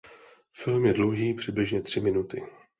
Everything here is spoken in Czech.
Film je dlouhý přibližně tři minuty.